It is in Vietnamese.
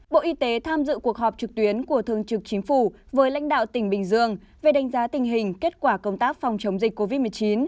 bộ y tế tham dự cuộc họp trực tuyến của thương trực chính phủ với lãnh đạo tỉnh bình dương về đánh giá tình hình kết quả công tác phòng chống dịch covid một mươi chín